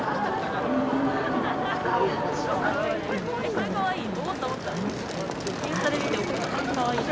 かわいい。